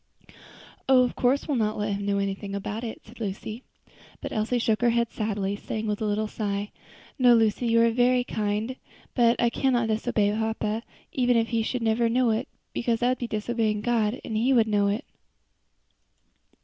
"Oh! of course we'll not let him know anything about it," said Lucy. But Elsie shook her head sadly, saying with a little sigh, "No, Lucy, you are very kind, but I cannot disobey papa, even if he should never know it, because that would be disobeying God, and He would know it."